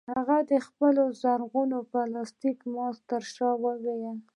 هغه د خپل زرغون پلاستيکي ماسک ترشا وویل